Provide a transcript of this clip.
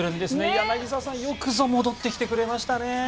柳澤さんよくぞ戻ってきてくれましたね。